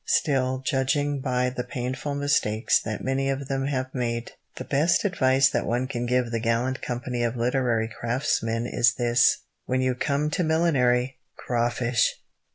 Still, judging by the painful mistakes that many of them have made, the best advice that one can give the gallant company of literary craftsmen is this: "When you come to millinery, crawfish!"